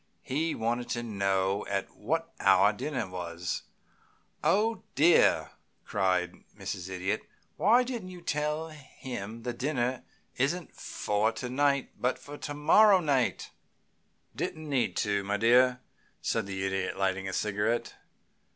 "He wanted to know at what hour dinner was." "Oh, dear!" cried Mrs. Idiot. "Why didn't you tell him the dinner isn't for to night, but to morrow night?" "Didn't need to, my dear," said the Idiot, lighting a cigarette.